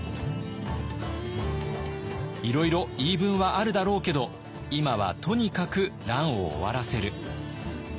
いろいろ言い分はあるだろうけど今はとにかく乱を終わらせる。